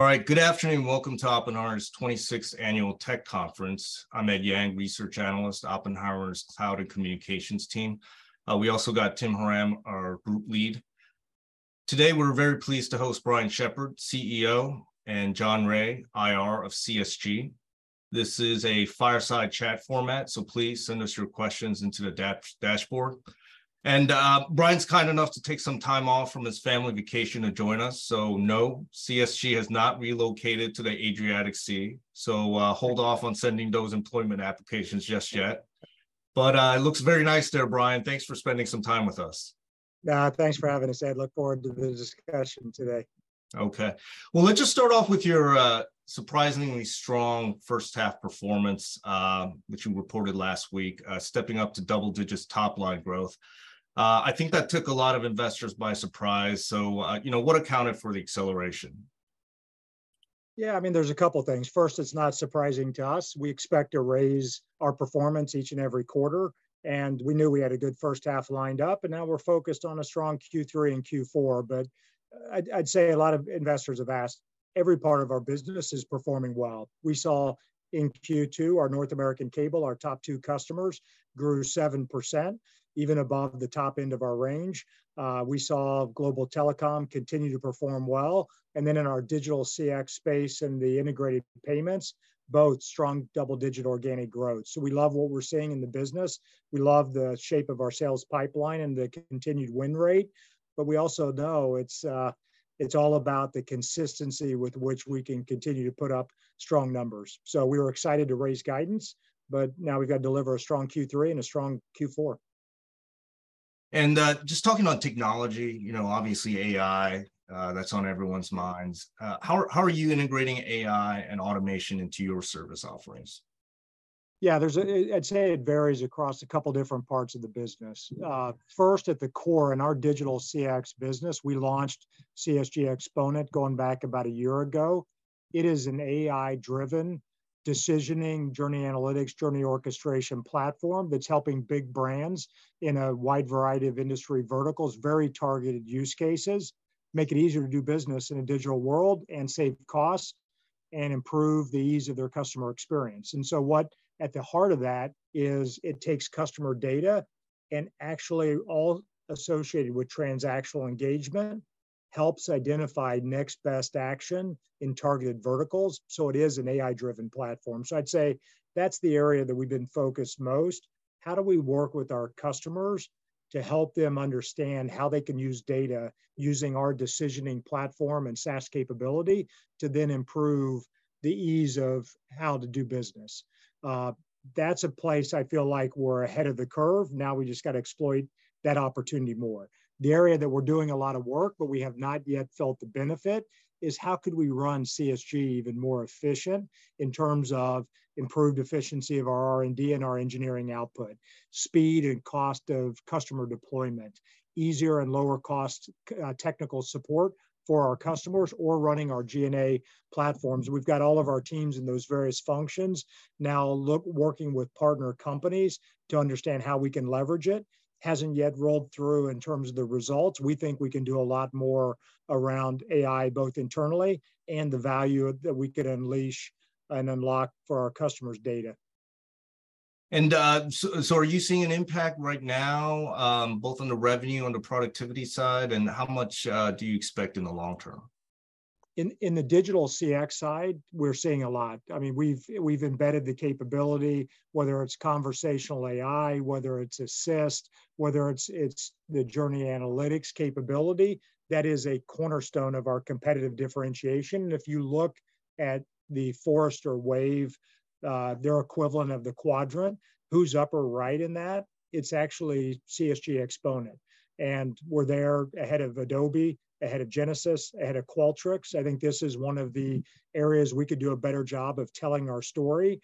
All right, good afternoon. Welcome to Oppenheimer's 26th Annual Tech Conference. I'm Ed Yang, research analyst, Oppenheimer's Cloud and Communications team. We also got Tim Horan, our group lead. Today, we're very pleased to host Brian Shepherd, CEO, and John Wray, IR of CSG. This is a fireside chat format, please send us your questions into the dashboard. Brian's kind enough to take some time off from his family vacation to join us. No, CSG has not relocated to the Adriatic Sea. Hold off on sending those employment applications just yet. It looks very nice there, Brian. Thanks for spending some time with us. Yeah, thanks for having us, Ed. Look forward to the discussion today. Okay. Well, let's just start off with your surprisingly strong first half performance, which you reported last week, stepping up to double digits top line growth. I think that took a lot of investors by surprise. You know, what accounted for the acceleration? Yeah, I mean, there's a couple things. First, it's not surprising to us. We expect to raise our performance each and every quarter. We knew we had a good first half lined up. Now we're focused on a strong Q3 and Q4. I'd, I'd say a lot of investors have asked, every part of our business is performing well. We saw in Q2, our North American cable, our top two customers, grew 7%, even above the top end of our range. We saw global telecom continue to perform well. Then in our digital CX space and the integrated payments, both strong double-digit organic growth. We love what we're seeing in the business. We love the shape of our sales pipeline and the continued win rate. We also know it's, it's all about the consistency with which we can continue to put up strong numbers. We were excited to raise guidance, but now we've got to deliver a strong Q3 and a strong Q4. Just talking about technology, you know, obviously AI, that's on everyone's minds. How are you integrating AI and automation into your service offerings? Yeah, there's a I'd say it varies across a couple different parts of the business. First, at the core, in our digital CX business, we launched CSG Xponent going back about a year ago. It is an AI-driven decisioning, journey analytics, journey orchestration platform that's helping big brands in a wide variety of industry verticals, very targeted use cases, make it easier to do business in a digital world and save costs and improve the ease of their customer experience. What, at the heart of that is it takes customer data and actually all associated with transactional engagement, helps identify next best action in targeted verticals, so it is an AI-driven platform. I'd say that's the area that we've been focused most. How do we work with our customers to help them understand how they can use data using our decisioning platform and SaaS capability to then improve the ease of how to do business? That's a place I feel like we're ahead of the curve. Now we just got to exploit that opportunity more. The area that we're doing a lot of work, but we have not yet felt the benefit, is how could we run CSG even more efficient in terms of improved efficiency of our R&D and our engineering output, speed and cost of customer deployment, easier and lower cost, c- technical support for our customers, or running our G&A platforms? We've got all of our teams in those various functions now look- working with partner companies to understand how we can leverage it. Hasn't yet rolled through in terms of the results. We think we can do a lot more around AI, both internally and the value that we could unleash and unlock for our customers' data. Are you seeing an impact right now, both on the revenue and the productivity side, and how much do you expect in the long term? In the digital CX side, we're seeing a lot. I mean, we've, we've embedded the capability, whether it's conversational AI, whether it's Assist, whether it's, it's the journey analytics capability, that is a cornerstone of our competitive differentiation. If you look at The Forrester Wave, their equivalent of the quadrant, who's upper right in that? It's actually CSG Xponent, and we're there ahead of Adobe, ahead of Genesys, ahead of Qualtrics. I think this is one of the areas we could do a better job of telling our story.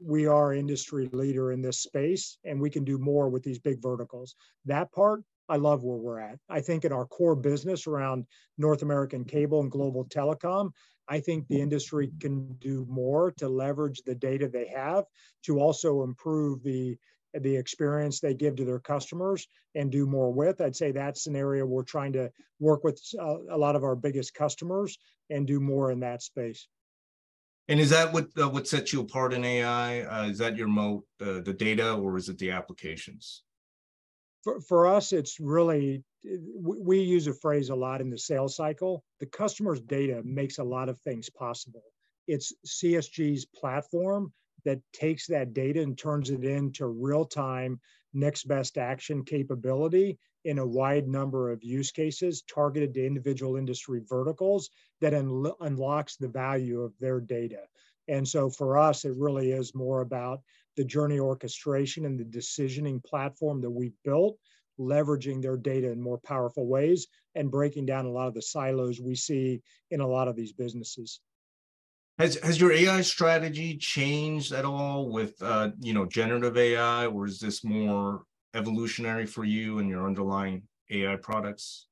We are industry leader in this space, and we can do more with these big verticals. That part, I love where we're at. I think in our core business around North American cable and global telecom, I think the industry can do more to leverage the data they have to also improve the, the experience they give to their customers and do more with. I'd say that's an area we're trying to work with a lot of our biggest customers and do more in that space. Is that what, what sets you apart in AI? Is that your moat, the data, or is it the applications? For us, it's really. We use a phrase a lot in the sales cycle: "The customer's data makes a lot of things possible." It's CSG's platform that takes that data and turns it into real-time, next-best-action capability in a wide number of use cases, targeted to individual industry verticals, that unlocks the value of their data. For us, it really is more about the journey orchestration and the decisioning platform that we've built, leveraging their data in more powerful ways, and breaking down a lot of the silos we see in a lot of these businesses. Has, has your AI strategy changed at all with, you know, generative AI, or is this more evolutionary for you and your underlying AI products?...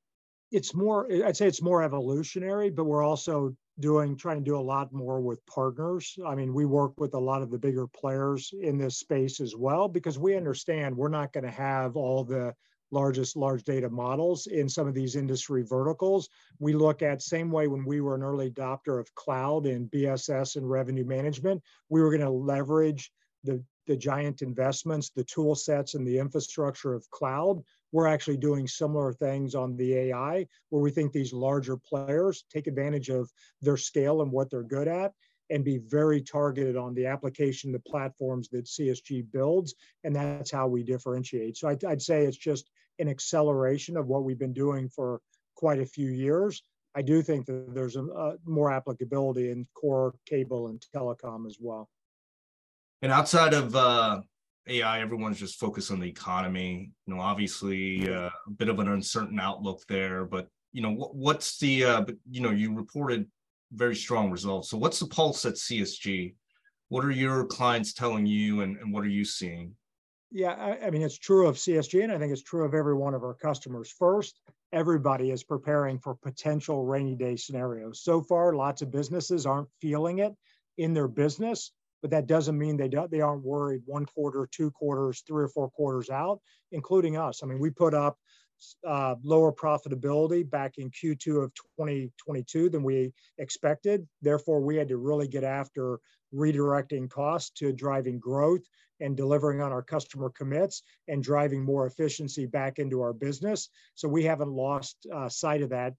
It's more, I'd say it's more evolutionary. We're also doing, trying to do a lot more with partners. I mean, we work with a lot of the bigger players in this space as well, because we understand we're not gonna have all the largest large data models in some of these industry verticals. We look at, same way when we were an early adopter of cloud and BSS and revenue management, we were gonna leverage the, the giant investments, the tool sets, and the infrastructure of cloud. We're actually doing similar things on the AI, where we think these larger players take advantage of their scale and what they're good at, and be very targeted on the application, the platforms that CSG builds, and that's how we differentiate. I'd, I'd say it's just an acceleration of what we've been doing for quite a few years. I do think that there's a more applicability in core cable and telecom as well. outside of, AI, everyone's just focused on the economy. You know. Yeah... a bit of an uncertain outlook there, but, you know, but, you know, you reported very strong results. What's the pulse at CSG? What are your clients telling you, and, and what are you seeing? Yeah, I, I mean, it's true of CSG, and I think it's true of every one of our customers. First, everybody is preparing for potential rainy day scenarios. So far, lots of businesses aren't feeling it in their business, but that doesn't mean they don't they aren't worried one quarter, two quarters, three or four quarters out, including us. I mean, we put up lower profitability back in Q2 of 2022 than we expected, therefore, we had to really get after redirecting costs to driving growth and delivering on our customer commits, and driving more efficiency back into our business. We haven't lost sight of that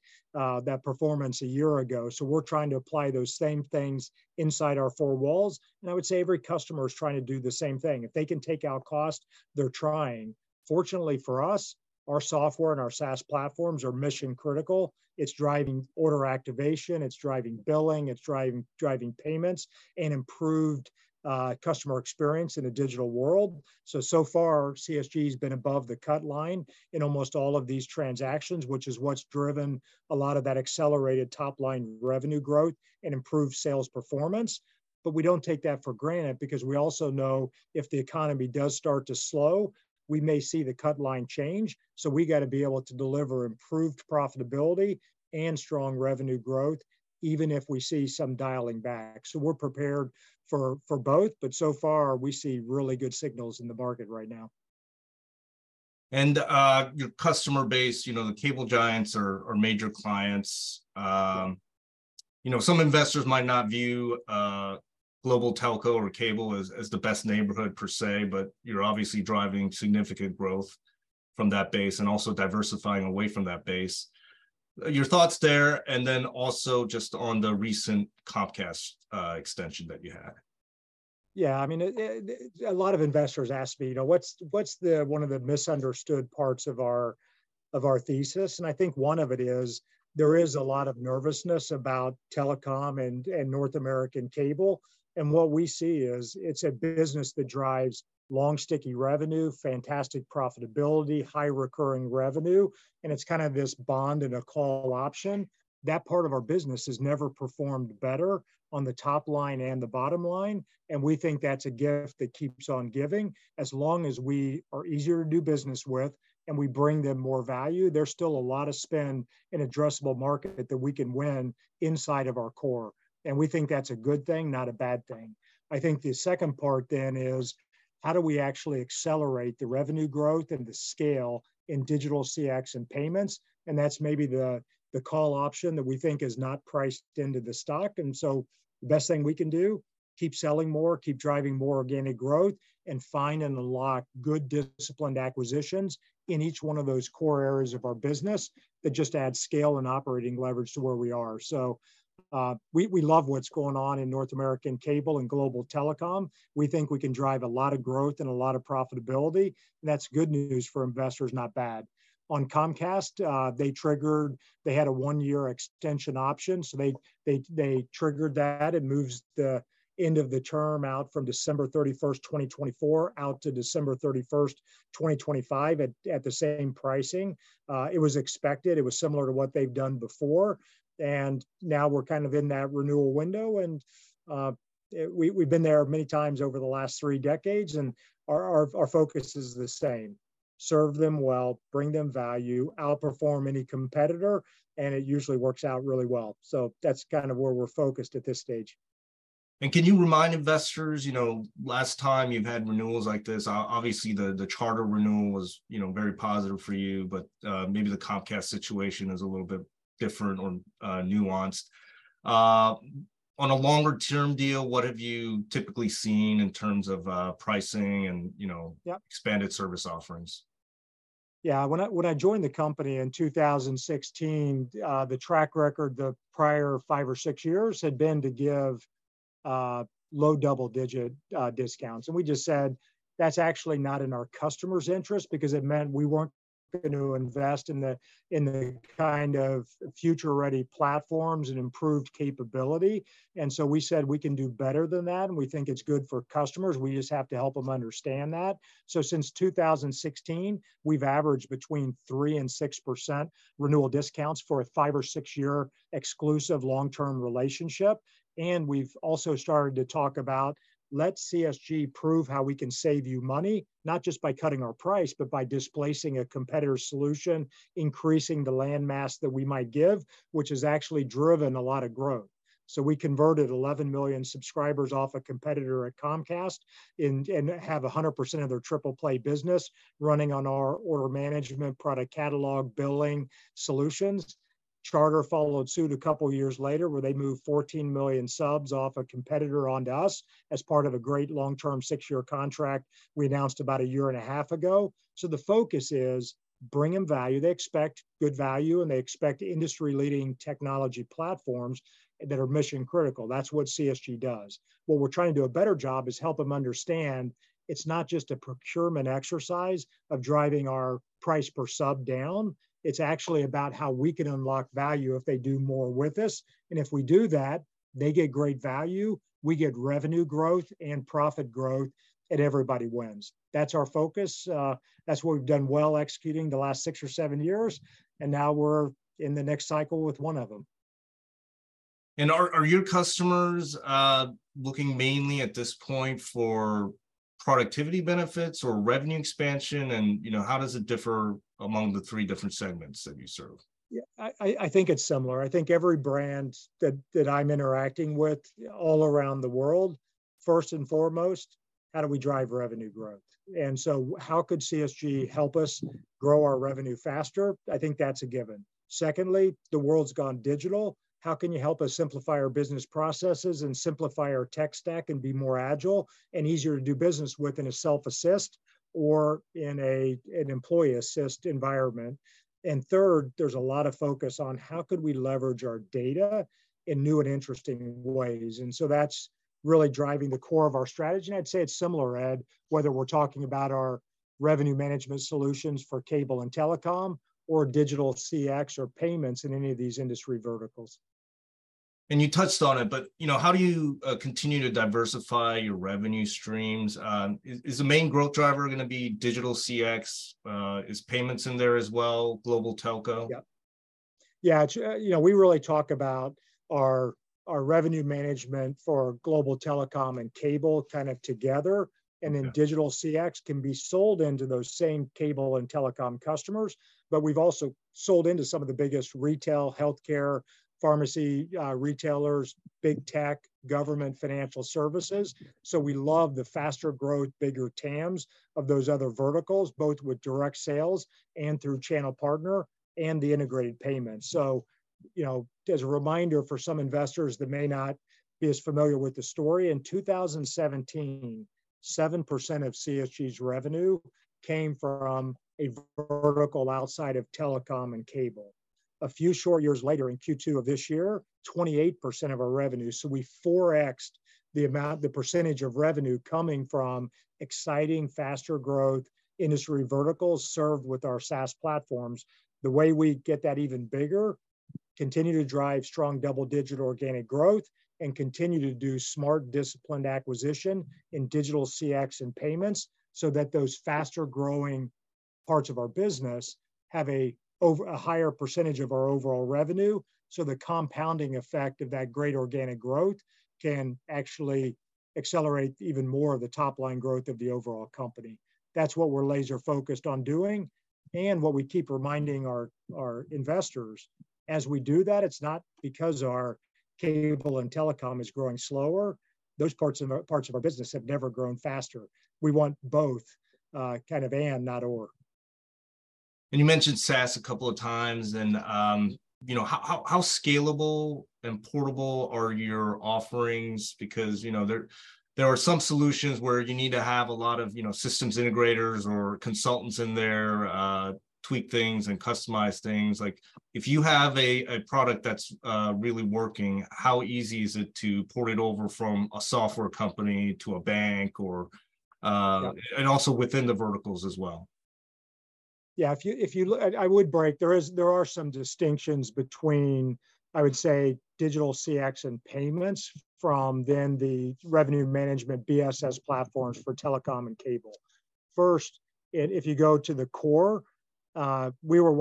performance a year ago. We're trying to apply those same things inside our four walls, and I would say every customer is trying to do the same thing. If they can take out cost, they're trying. Fortunately for us, our software and our SaaS platforms are mission-critical. It's driving order activation, it's driving billing, it's driving, driving payments, and improved customer experience in a digital world. So far, CSG's been above the cut line in almost all of these transactions, which is what's driven a lot of that accelerated top-line revenue growth and improved sales performance. We don't take that for granted because we also know if the economy does start to slow, we may see the cut line change. We gotta be able to deliver improved profitability and strong revenue growth, even if we see some dialing back. We're prepared for, for both. So far we see really good signals in the market right now. Your customer base, you know, the cable giants are, are major clients. You know, some investors might not view global telco or cable as, as the best neighborhood per se, but you're obviously driving significant growth from that base and also diversifying away from that base. Your thoughts there, and then also just on the recent Comcast extension that you had. Yeah, I mean, A lot of investors ask me, you know, "What's the one of the misunderstood parts of our, of our thesis?" I think one of it is, there is a lot of nervousness about telecom and North American cable. What we see is it's a business that drives long, sticky revenue, fantastic profitability, high recurring revenue, and it's kind of this bond and a call option. That part of our business has never performed better on the top line and the bottom line, and we think that's a gift that keeps on giving. As long as we are easier to do business with and we bring them more value, there's still a lot of spend in addressable market that we can win inside of our core, and we think that's a good thing, not a bad thing. I think the second part then is, how do we actually accelerate the revenue growth and the scale in digital CX and payments? That's maybe the, the call option that we think is not priced into the stock, and so the best thing we can do, keep selling more, keep driving more organic growth, and find and unlock good, disciplined acquisitions in each one of those core areas of our business that just add scale and operating leverage to where we are. We, we love what's going on in North American cable and global telecom. We think we can drive a lot of growth and a lot of profitability. That's good news for investors, not bad. On Comcast, they triggered... They had a one-year extension option, so they, they, they triggered that. It moves the end of the term out from December 31st, 2024, out to December 31st, 2025, at the same pricing. It was expected. It was similar to what they've done before, now we're kind of in that renewal window. We've been there many times over the last 3 decades, and our focus is the same: serve them well, bring them value, outperform any competitor, and it usually works out really well. That's kind of where we're focused at this stage. Can you remind investors, you know, last time you've had renewals like this, obviously, the, the Charter renewal was, you know, very positive for you, but, maybe the Comcast situation is a little bit different or, nuanced. On a longer-term deal, what have you typically seen in terms of, pricing and, you know? Yep expanded service offerings? Yeah, when I, when I joined the company in 2016, the track record the prior 5 or 6 years had been to give low double-digit discounts. We just said, "That's actually not in our customers' interest," because it meant we weren't going to invest in the, in the kind of future-ready platforms and improved capability. We said we can do better than that, and we think it's good for customers. We just have to help them understand that. Since 2016, we've averaged between 3% and 6% renewal discounts for a 5 or 6-year exclusive long-term relationship. We've also started to talk about, "Let CSG prove how we can save you money, not just by cutting our price, but by displacing a competitor's solution, increasing the land mass that we might give," which has actually driven a lot of growth. We converted 11 million subscribers off a competitor at Comcast and have 100% of their triple play business running on our order management product catalog billing solutions. Charter followed suit a couple of years later, where they moved 14 million subs off a competitor onto us as part of a great long-term 6-year contract we announced about a year and a half ago. The focus is bringing value. They expect good value, and they expect industry-leading technology platforms that are mission-critical. That's what CSG does. What we're trying to do a better job is help them understand it's not just a procurement exercise of driving our price per sub down, it's actually about how we can unlock value if they do more with us. If we do that, they get great value, we get revenue growth and profit growth, and everybody wins. That's our focus, that's what we've done well executing the last six or seven years. Now we're in the next cycle with one of them. Are your customers, looking mainly at this point for productivity benefits or revenue expansion? You know, how does it differ among the three different segments that you serve? Yeah, I, I, I think it's similar. I think every brand that, that I'm interacting with all around the world, first and foremost, "How do we drive revenue growth? So how could CSG help us grow our revenue faster?" I think that's a given. Secondly, the world's gone digital. "How can you help us simplify our business processes and simplify our tech stack, and be more agile and easier to do business with in a self-assist or in a, an employee-assist environment?" Third, there's a lot of focus on: How could we leverage our data in new and interesting ways? That's really driving the core of our strategy. I'd say it's similar, Ed, whether we're talking about our revenue management solutions for cable and telecom or digital CX or payments in any of these industry verticals. You touched on it, but, you know, how do you continue to diversify your revenue streams? Is, is the main growth driver gonna be Digital CX? Is payments in there as well, global telco? Yeah. Yeah, you know, we really talk about our, our revenue management for global telecom and cable kind of together. Okay. Then Digital CX can be sold into those same cable and telecom customers, but we've also sold into some of the biggest retail, healthcare, pharmacy, retailers, big tech, government, financial services. We love the faster growth, bigger TAMs of those other verticals, both with direct sales and through channel partner and the integrated payments. You know, as a reminder for some investors that may not be as familiar with the story, in 2017, 7% of CSG's revenue came from a vertical outside of telecom and cable. A few short years later, in Q2 of this year, 28% of our revenue, so we 4x the percentage of revenue coming from exciting, faster growth industry verticals served with our SaaS platforms. The way we get that even bigger, continue to drive strong double-digit organic growth and continue to do smart, disciplined acquisition in digital CX and payments, so that those faster-growing parts of our business have a higher percentage of our overall revenue, so the compounding effect of that great organic growth can actually accelerate even more of the top-line growth of the overall company. That's what we're laser-focused on doing and what we keep reminding our investors. As we do that, it's not because our cable and telecom is growing slower. Those parts of our, parts of our business have never grown faster. We want both, kind of and, not or. You mentioned SaaS a couple of times, you know, how, how, how scalable and portable are your offerings? Because, you know, there, there are some solutions where you need to have a lot of, you know, systems integrators or consultants in there, tweak things and customize things. Like, if you have a product that's really working, how easy is it to port it over from a software company to a bank or. Yeah... and also within the verticals as well? Yeah, if you, if you look. I would break, there are some distinctions between, I would say, Digital CX and payments from then the revenue management BSS platforms for telecom and cable. First, if you go to the core, we were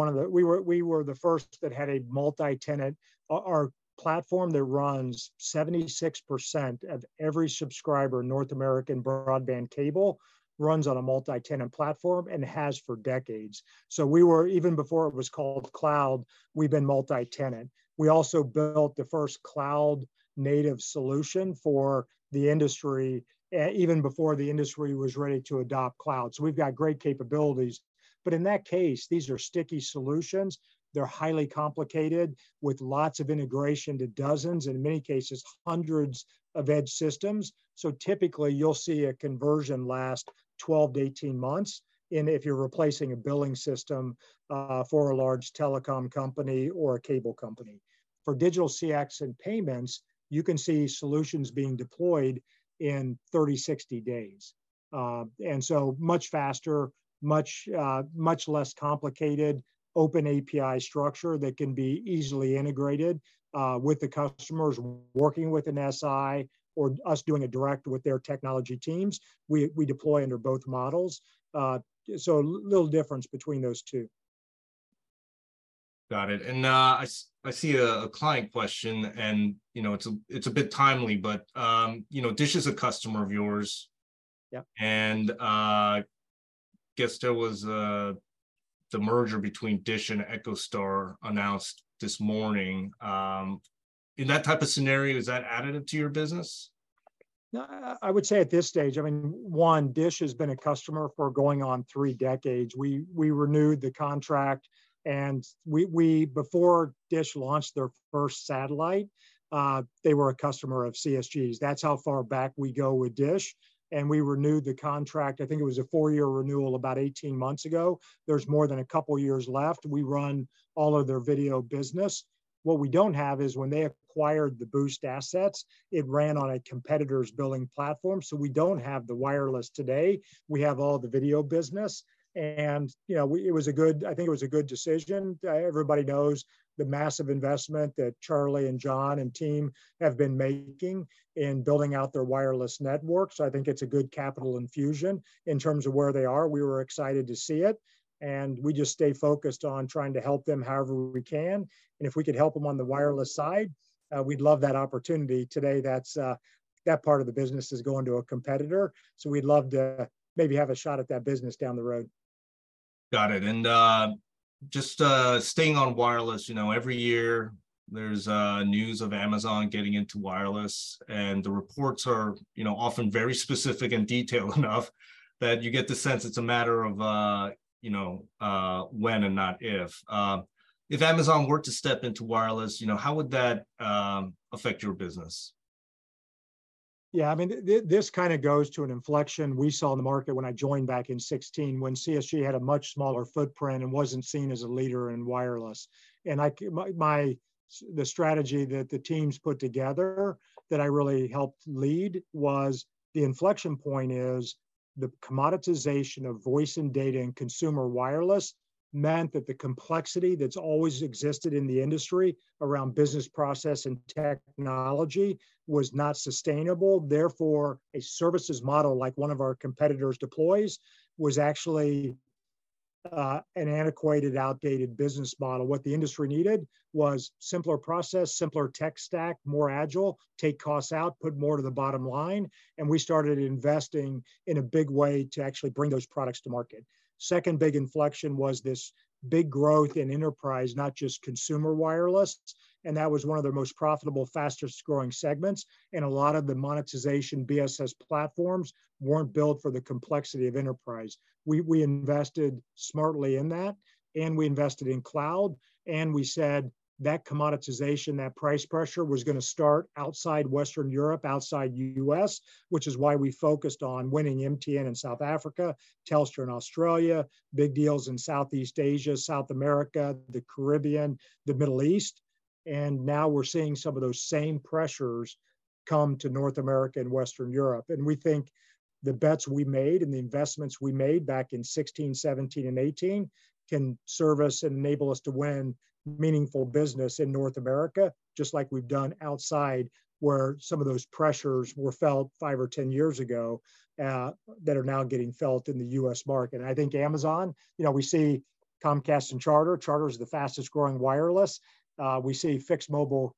the first that had a multi-tenant. Our platform that runs 76% of every subscriber, North American broadband cable, runs on a multi-tenant platform and has for decades. We were, even before it was called cloud, we've been multi-tenant. We also built the first cloud-native solution for the industry, even before the industry was ready to adopt cloud. We've got great capabilities. In that case, these are sticky solutions. They're highly complicated, with lots of integration to dozens, in many cases, hundreds of edge systems. Typically, you'll see a conversion last 12-18 months, and if you're replacing a billing system for a large telecom company or a cable company. For digital CX and payments, you can see solutions being deployed in 30-60 days. Much faster, much less complicated open API structure that can be easily integrated with the customers working with an SI or us doing it direct with their technology teams. We, we deploy under both models. Little difference between those two. Got it. I see a, a client question, and, you know, it's a, it's a bit timely, but, you know, DISH is a customer of yours. Yep. Guess there was the merger between DISH and EchoStar announced this morning. In that type of scenario, is that additive to your business? No, I, I would say at this stage, one, DISH has been a customer for going on 3 decades. We, we renewed the contract, we, we... Before DISH launched their first satellite, they were a customer of CSG's. That's how far back we go with DISH, and we renewed the contract, I think it was a 4-year renewal, about 18 months ago. There's more than 2 years left. We run all of their video business. What we don't have is when they acquired the Boost, it ran on a competitor's billing platform, so we don't have the wireless today. We have all the video business. You know, we- it was a good... I think it was a good decision. Everybody knows the massive investment that Charlie and John and team have been making in building out their wireless network. I think it's a good capital infusion in terms of where they are. We were excited to see it. We just stay focused on trying to help them however we can. If we could help them on the wireless side, we'd love that opportunity. Today, that part of the business is going to a competitor. We'd love to maybe have a shot at that business down the road. Got it, and, just, staying on wireless, you know, every year there's news of Amazon getting into wireless, and the reports are, you know, often very specific and detailed enough that you get the sense it's a matter of, you know, when and not if. If Amazon were to step into wireless, you know, how would that affect your business? Yeah, I mean, this kind of goes to an inflection we saw in the market when I joined back in 2016, when CSG had a much smaller footprint and wasn't seen as a leader in wireless. The strategy that the teams put together, that I really helped lead, was the inflection point is the commoditization of voice and data in consumer wireless meant that the complexity that's always existed in the industry around business process and technology was not sustainable. Therefore, a services model, like one of our competitors deploys, was actually an antiquated, outdated business model. What the industry needed was simpler process, simpler tech stack, more agile, take costs out, put more to the bottom line, and we started investing in a big way to actually bring those products to market. Second big inflection was this big growth in enterprise, not just consumer wireless, and that was one of their most profitable, fastest-growing segments, and a lot of the monetization BSS platforms weren't built for the complexity of enterprise. We, we invested smartly in that, and we invested in cloud, and we said that commoditization, that price pressure was gonna start outside Western Europe, outside U.S., which is why we focused on winning MTN in South Africa, Telstra in Australia, big deals in Southeast Asia, South America, the Caribbean, the Middle East, and now we're seeing some of those same pressures come to North America and Western Europe. We think the bets we made and the investments we made back in 2016, 2017, and 2018 can serve us and enable us to win meaningful business in North America, just like we've done outside, where some of those pressures were felt 5 or 10 years ago, that are now getting felt in the US market. I think Amazon, you know, we see Comcast and Charter. Charter is the fastest-growing wireless. We see fixed mobile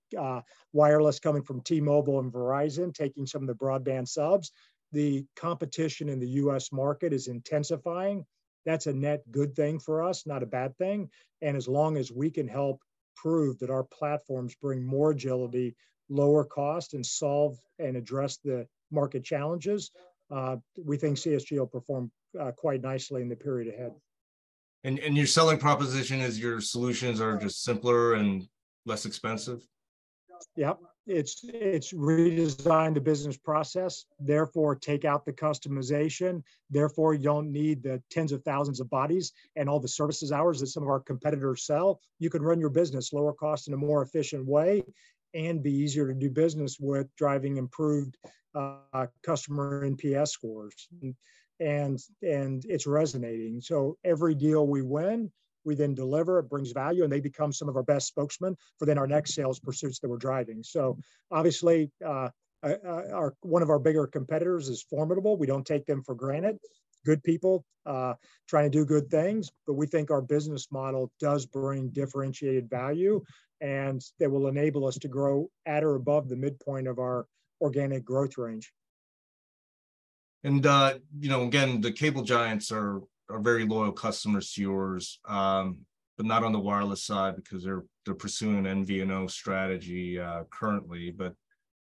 wireless coming from T-Mobile and Verizon, taking some of the broadband subs. The competition in the US market is intensifying. That's a net good thing for us, not a bad thing, and as long as we can help prove that our platforms bring more agility, lower cost, and solve and address the market challenges, we think CSG will perform quite nicely in the period ahead. And your selling proposition is your solutions are just simpler and less expensive? Yep, it's, it's redesigned the business process, therefore, take out the customization, therefore, you don't need the tens of thousands of bodies and all the services hours that some of our competitors sell. You can run your business lower cost in a more efficient way and be easier to do business with, driving improved, customer NPS scores, and, and it's resonating. Every deal we win, we then deliver. It brings value, and they become some of our best spokesmen for then our next sales pursuits that we're driving. Obviously, one of our bigger competitors is formidable. We don't take them for granted. Good people, trying to do good things, but we think our business model does bring differentiated value, and they will enable us to grow at or above the midpoint of our organic growth range. You know, again, the cable giants are, are very loyal customers to yours, but not on the wireless side because they're, they're pursuing an MVNO strategy, currently.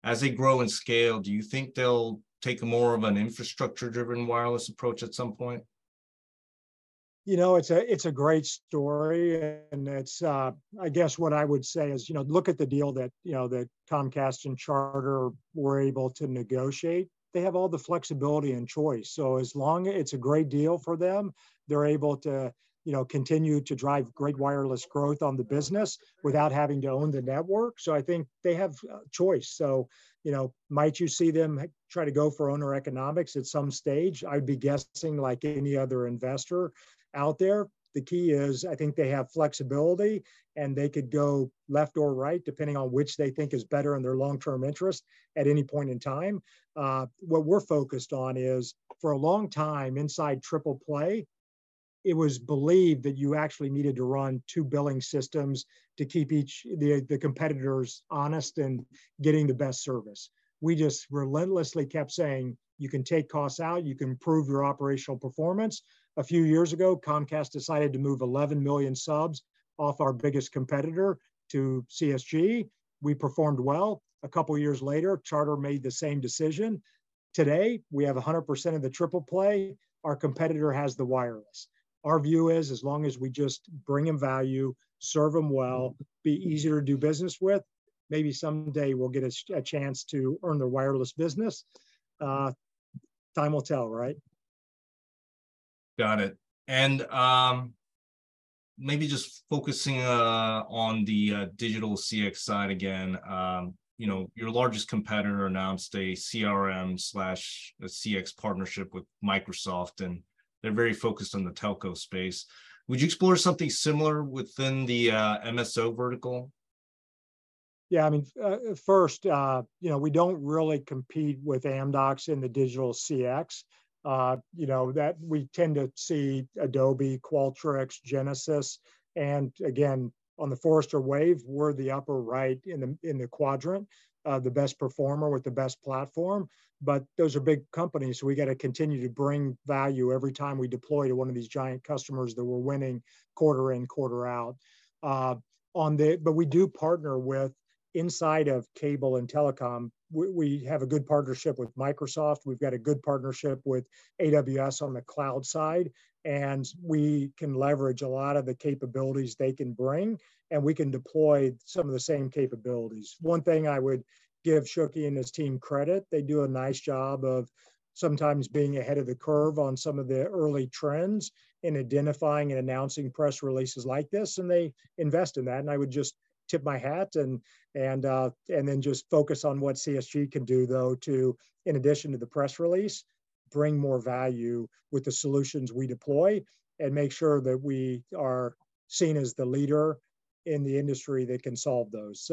As they grow in scale, do you think they'll take more of an infrastructure-driven wireless approach at some point? You know, it's a, it's a great story, and, and it's... I guess what I would say is, you know, look at the deal that, you know, that Comcast and Charter were able to negotiate. They have all the flexibility and choice, so as long as it's a great deal for them, they're able to, you know, continue to drive great wireless growth on the business without having to own the network. I think they have choice. You know, might you see them try to go for owner economics at some stage? I'd be guessing like any other investor out there. The key is, I think they have flexibility, and they could go left or right, depending on which they think is better in their long-term interest at any point in time. What we're focused on is, for a long time inside Triple Play, it was believed that you actually needed to run two billing systems to keep each, the competitors honest and getting the best service. We just relentlessly kept saying, "You can take costs out, you can improve your operational performance." A few years ago, Comcast decided to move 11 million subs off our biggest competitor to CSG. We performed well. A couple of years later, Charter made the same decision. Today, we have 100% of the Triple Play. Our competitor has the wireless. Our view is, as long as we just bring them value, serve them well, be easier to do business with, maybe someday we'll get a chance to earn their wireless business. Time will tell, right? Got it. Maybe just focusing on the digital CX side again, you know, your largest competitor announced a CRM/a CX partnership with Microsoft, and they're very focused on the telco space. Would you explore something similar within the MSO vertical? Yeah, I mean, first, you know, we don't really compete with Amdocs in the digital CX. You know, that we tend to see Adobe, Qualtrics, Genesys, and again, on The Forrester Wave, we're the upper right in the, in the quadrant, the best performer with the best platform, but those are big companies, so we gotta continue to bring value every time we deploy to one of these giant customers that we're winning quarter in, quarter out. We do partner with inside of cable and telecom, we have a good partnership with Microsoft, we've got a good partnership with AWS on the cloud side, and we can leverage a lot of the capabilities they can bring, and we can deploy some of the same capabilities. One thing I would give Shuki and his team credit, they do a nice job of sometimes being ahead of the curve on some of the early trends in identifying and announcing press releases like this, and they invest in that. I would just tip my hat, and, and, and then just focus on what CSG can do, though, to, in addition to the press release, bring more value with the solutions we deploy and make sure that we are seen as the leader in the industry that can solve those.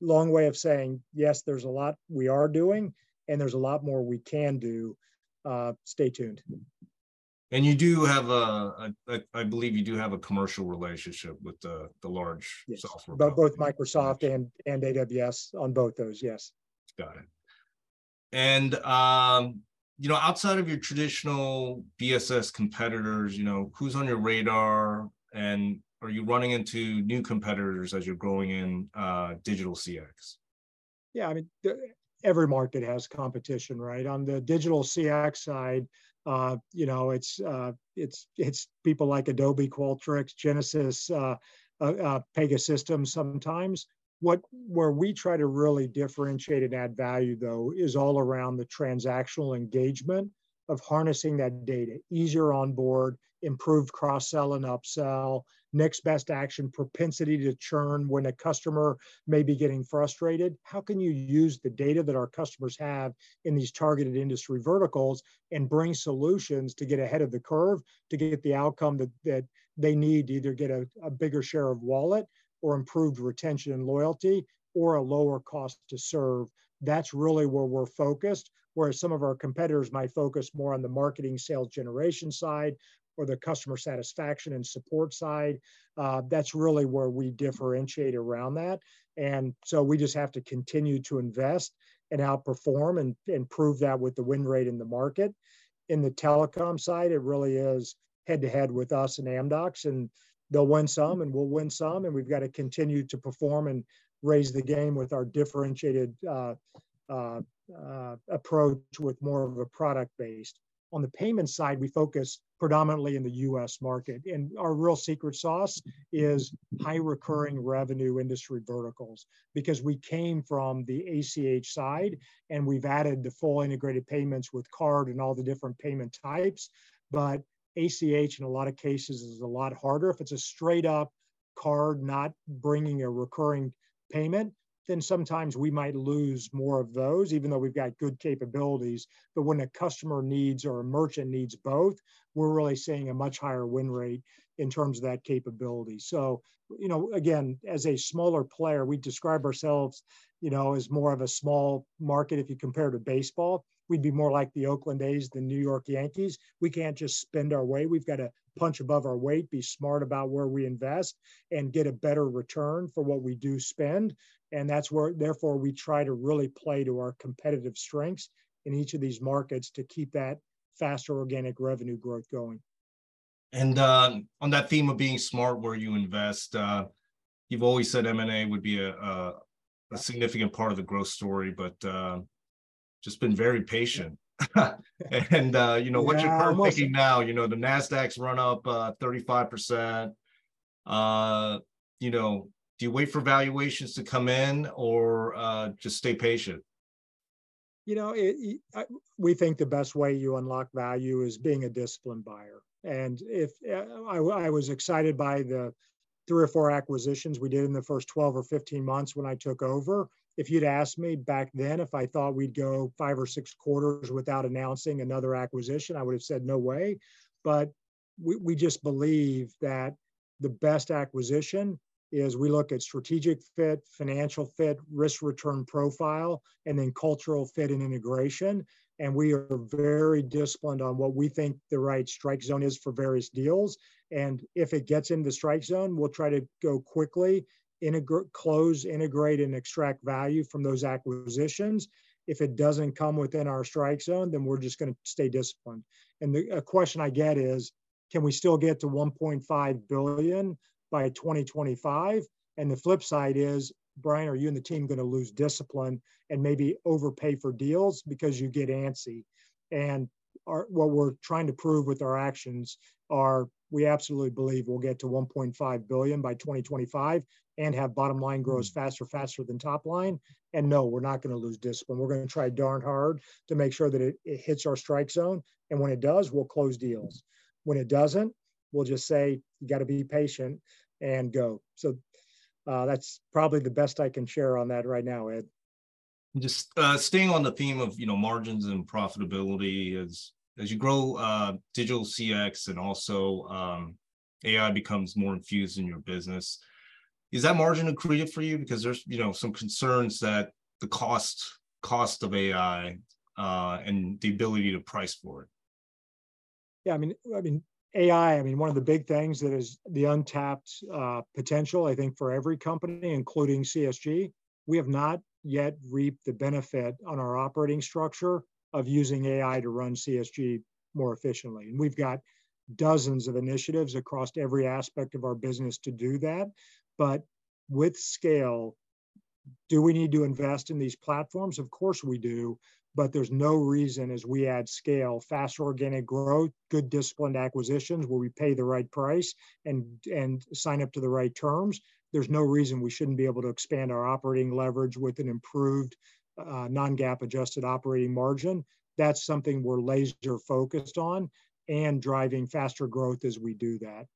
Long way of saying, yes, there's a lot we are doing, and there's a lot more we can do. Stay tuned. You do have a, a, a, I believe you do have a commercial relationship with the, the large... Yes... software company. Both Microsoft and AWS on both those, yes. Got it. You know, outside of your traditional BSS competitors, you know, who's on your radar, and are you running into new competitors as you're growing in digital CX? Yeah, I mean, every market has competition, right? On the digital CX side, you know, it's, it's people like Adobe, Qualtrics, Genesys, Pegasystems sometimes. Where we try to really differentiate and add value, though, is all around the transactional engagement of harnessing that data. Easier onboard, improved cross-sell and upsell, next best action, propensity to churn when a customer may be getting frustrated. How can you use the data that our customers have in these targeted industry verticals and bring solutions to get ahead of the curve, to get the outcome that they need to either get a bigger share of wallet or improved retention and loyalty or a lower cost to serve? That's really where we're focused. Where some of our competitors might focus more on the marketing sales generation side or the customer satisfaction and support side, that's really where we differentiate around that. We just have to continue to invest and outperform and, and prove that with the win rate in the market. In the telecom side, it really is head-to-head with us and Amdocs. They'll win some, we'll win some, we've got to continue to perform and raise the game with our differentiated approach with more of a product base. On the payment side, we focus predominantly in the U.S. market. Our real secret sauce is high recurring revenue industry verticals. We came from the ACH side. We've added the full integrated payments with card and all the different payment types. ACH, in a lot of cases, is a lot harder. If it's a straight-up card not bringing a recurring payment, then sometimes we might lose more of those, even though we've got good capabilities. When a customer needs or a merchant needs both, we're really seeing a much higher win rate in terms of that capability. You know, again, as a smaller player, we describe ourselves, you know, as more of a small market. If you compare to baseball, we'd be more like the Oakland A's than New York Yankees. We can't just spend our way. We've got to punch above our weight, be smart about where we invest, and get a better return for what we do spend, and that's where therefore, we try to really play to our competitive strengths in each of these markets to keep that faster organic revenue growth going. On that theme of being smart where you invest, you've always said M&A would be a, a, a significant part of the growth story, but just been very patient. You know, what's-. Yeah, well- your thinking now? You know, the Nasdaq's run up, 35%. You know, do you wait for valuations to come in or just stay patient? You know, it, we think the best way you unlock value is being a disciplined buyer. If, I, I was excited by the 3 or 4 acquisitions we did in the first 12 or 15 months when I took over. If you'd asked me back then if I thought we'd go 5 or 6 quarters without announcing another acquisition, I would've said, "No way." We, we just believe that the best acquisition is we look at strategic fit, financial fit, risk-return profile, and then cultural fit and integration, and we are very disciplined on what we think the right strike zone is for various deals. If it gets in the strike zone, we'll try to go quickly, close, integrate, and extract value from those acquisitions. If it doesn't come within our strike zone, then we're just gonna stay disciplined. Question I get is: Can we still get to $1.5 billion by 2025? The flip side is, "Brian, are you and the team gonna lose discipline and maybe overpay for deals because you get antsy?" What we're trying to prove with our actions are, we absolutely believe we'll get to $1.5 billion by 2025 and have bottom line grows faster, faster than top line. No, we're not gonna lose discipline. We're gonna try darn hard to make sure that it, it hits our strike zone, and when it does, we'll close deals. When it doesn't, we'll just say, "You gotta be patient and go." That's probably the best I can share on that right now, Ed. Just, staying on the theme of, you know, margins and profitability, as, as you grow, Digital CX and also, AI becomes more infused in your business, is that margin accretive for you? Because there's, you know, some concerns that the cost, cost of AI, and the ability to price for it. Yeah, I mean, I mean, AI, I mean, one of the big things that is the untapped potential, I think for every company, including CSG, we have not yet reaped the benefit on our operating structure of using AI to run CSG more efficiently. We've got dozens of initiatives across every aspect of our business to do that. With scale, do we need to invest in these platforms? Of course we do, but there's no reason, as we add scale, faster organic growth, good disciplined acquisitions where we pay the right price and, and sign up to the right terms, there's no reason we shouldn't be able to expand our operating leverage with an improved non-GAAP adjusted operating margin. That's something we're laser-focused on and driving faster growth as we do that.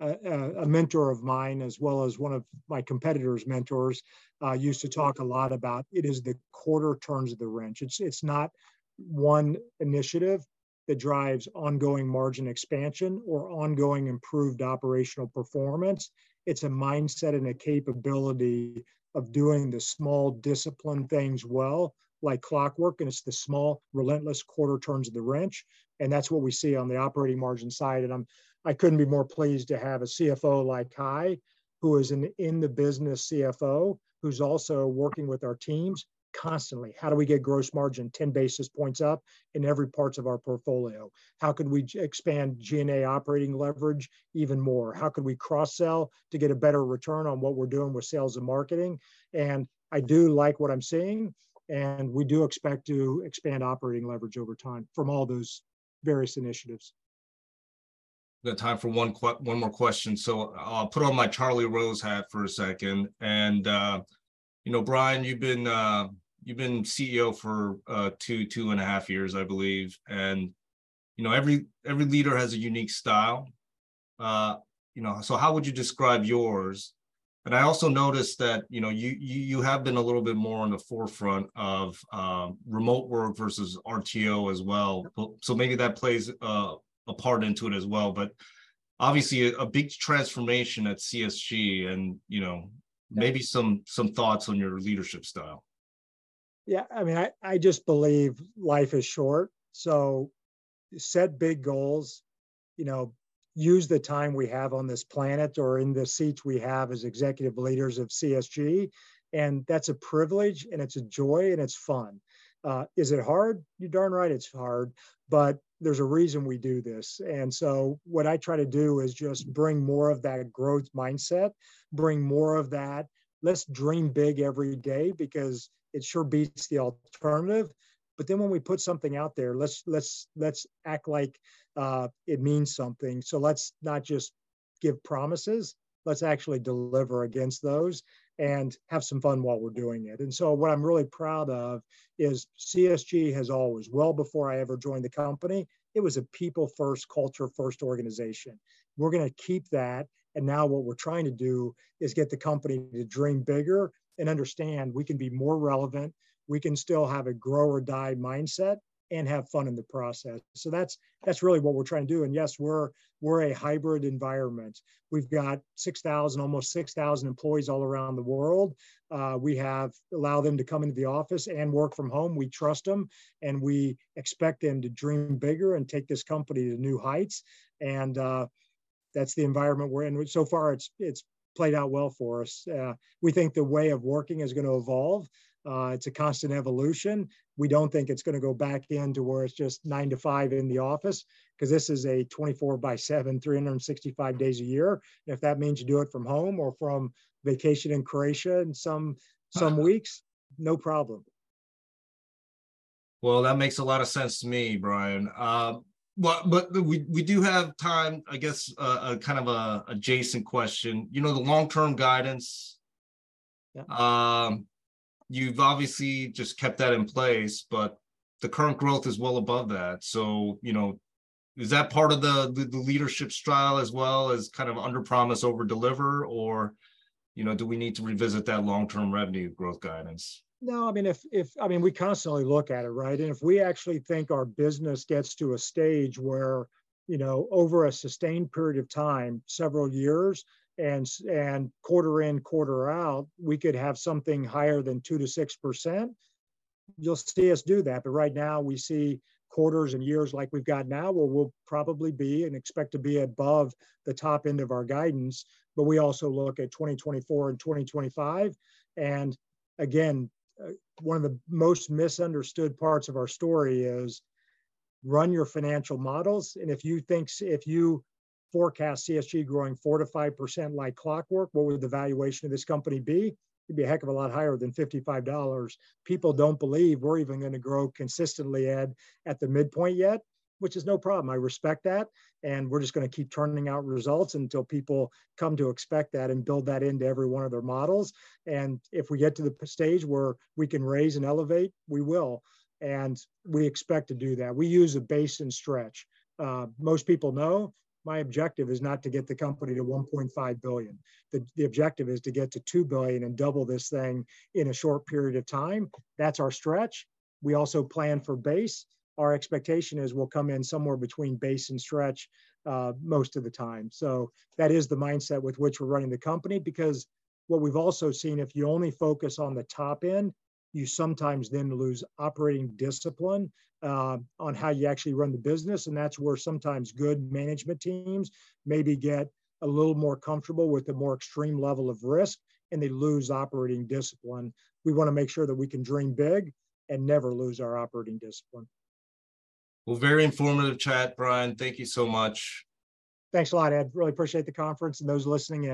A mentor of mine, as well as one of my competitor's mentors, used to talk a lot about, "It is the quarter turns of the wrench." It's not one initiative that drives ongoing margin expansion or ongoing improved operational performance. It's a mindset and a capability of doing the small discipline things well, like clockwork, and it's the small, relentless quarter turns of the wrench, and that's what we see on the operating margin side. I couldn't be more pleased to have a CFO like Hai, who is an in the business CFO, who's also working with our teams constantly: "How do we get gross margin 10 basis points up in every parts of our portfolio? How can we expand G&A operating leverage even more? How can we cross-sell to get a better return on what we're doing with sales and marketing? I do like what I'm seeing, and we do expect to expand operating leverage over time from all those various initiatives. We've got time for one more question. So I'll put on my Charlie Rose hat for a second. You know, Brian, you've been CEO for 2 and a half years, I believe. You know, every leader has a unique style. You know, so how would you describe yours? I also noticed that, you know, you have been a little bit more on the forefront of remote work versus RTO as well. So maybe that plays a part into it as well, but obviously a big transformation at CSG. Yeah... maybe some thoughts on your leadership style. Yeah, I mean, I, I just believe life is short, so set big goals, you know, use the time we have on this planet or in the seats we have as executive leaders of CSG, and that's a privilege, and it's a joy, and it's fun. Is it hard? You're darn right, it's hard, but there's a reason we do this. What I try to do is just bring more of that growth mindset, bring more of that "let's dream big every day," because it sure beats the alternative. Then when we put something out there, let's, let's, let's act like it means something. Let's not just give promises, let's actually deliver against those and have some fun while we're doing it. What I'm really proud of is CSG has always, well before I ever joined the company, it was a people first, culture first organization. We're gonna keep that, and now what we're trying to do is get the company to dream bigger and understand we can be more relevant, we can still have a grow or die mindset, and have fun in the process. That's, that's really what we're trying to do. Yes, we're, we're a hybrid environment. We've got 6,000, almost 6,000 employees all around the world. We have allowed them to come into the office and work from home. We trust them, and we expect them to dream bigger and take this company to new heights, and that's the environment we're in, which so far, it's, it's played out well for us. We think the way of working is gonna evolve. It's a constant evolution. We don't think it's gonna go back in to where it's just 9:00 to 5:00 in the office, 'cause this is a 24/7, 365 days a year. If that means you do it from home or from vacation in Croatia in some, some weeks, no problem. Well, that makes a lot of sense to me, Brian. Well, we, we do have time, I guess, a kind of a adjacent question. You know, the long-term guidance- Yeah. You've obviously just kept that in place, but the current growth is well above that. You know, is that part of the, the, the leadership style as well as kind of underpromise, overdeliver? You know, do we need to revisit that long-term revenue growth guidance? No, I mean, if, I mean, we constantly look at it, right? If we actually think our business gets to a stage where, you know, over a sustained period of time, several years, and quarter in, quarter out, we could have something higher than 2%-6%, you'll see us do that. Right now, we see quarters and years like we've got now, where we'll probably be and expect to be above the top end of our guidance. We also look at 2024 and 2025, again, one of the most misunderstood parts of our story is, run your financial models, and if you think if you forecast CSG growing 4%-5% like clockwork, what would the valuation of this company be? It'd be a heck of a lot higher than $55. People don't believe we're even gonna grow consistently at the midpoint yet, which is no problem, I respect that. We're just gonna keep churning out results until people come to expect that and build that into every one of their models. If we get to the stage where we can raise and elevate, we will, and we expect to do that. We use a base and stretch. Most people know my objective is not to get the company to $1.5 billion. The objective is to get to $2 billion and double this thing in a short period of time. That's our stretch. We also plan for base. Our expectation is we'll come in somewhere between base and stretch most of the time. That is the mindset with which we're running the company, because what we've also seen, if you only focus on the top end, you sometimes then lose operating discipline, on how you actually run the business, and that's where sometimes good management teams maybe get a little more comfortable with the more extreme level of risk, and they lose operating discipline. We wanna make sure that we can dream big and never lose our operating discipline. Well, very informative chat, Brian. Thank you so much. Thanks a lot, Ed. Really appreciate the conference and those listening in.